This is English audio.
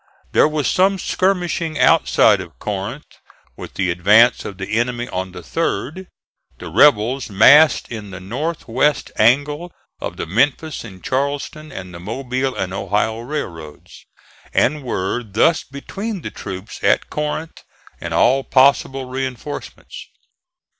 There was some skirmishing outside of Corinth with the advance of the enemy on the 3d. The rebels massed in the north west angle of the Memphis and Charleston and the Mobile and Ohio railroads, and were thus between the troops at Corinth and all possible reinforcements.